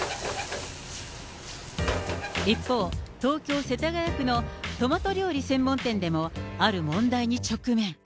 一方、東京・世田谷区のトマト料理専門店でもある問題に直面。